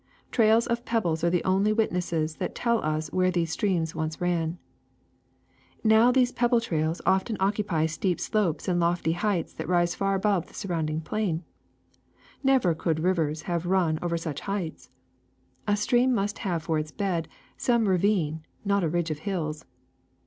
Trails of pebbles are the only witnesses that tell us where these streams once ran. *'Now these pebble trails often occupy steep slopes and lofty heights that rise far above the surround ing plains. Never could rivers have run over such heights. A stream must have for its bed some ra vine, not a ridge of hills.